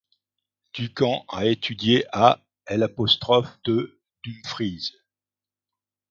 Ducan a étudié à l’ de Dumfries.